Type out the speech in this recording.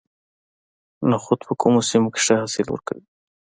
نخود په کومو سیمو کې ښه حاصل ورکوي؟